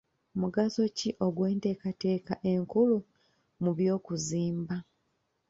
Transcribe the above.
Mugaso ki ogw'enteekateeka enkulu mu by'okuzimba?